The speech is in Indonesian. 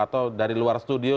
atau dari luar studio